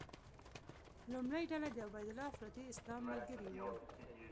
لومړۍ ډله د عبیدالله افراطي اسلام ملګري وو.